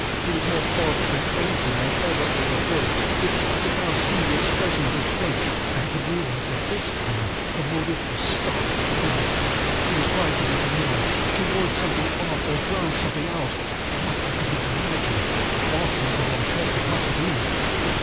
It was more horrible than anything I had ever overheard, because I could now see the expression of his face, and could realize that this time the motive was stark fear. He was trying to make a noise; to ward something off or drown something out—what, I could not imagine, awesome though I felt it must be.